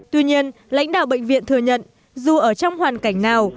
tuy nhiên lãnh đạo bệnh viện thừa nhận dù ở trong hoàn cảnh nào